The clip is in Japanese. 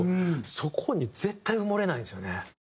そこに絶対埋もれないんですよね。